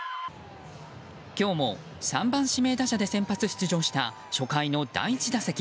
今日も３番指名打者で先発出場した初回の第１打席。